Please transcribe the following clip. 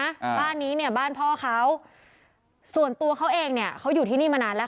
อ่าบ้านนี้เนี่ยบ้านพ่อเขาส่วนตัวเขาเองเนี้ยเขาอยู่ที่นี่มานานแล้ว